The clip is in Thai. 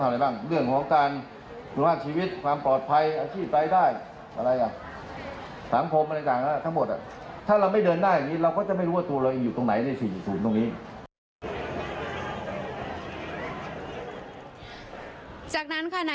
เหลือสูงสำหรับปรุงครับ